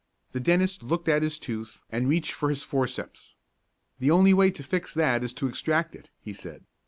The dentist looked at the tooth and reached for his forceps. "The only way to fix that is to extract it," he said.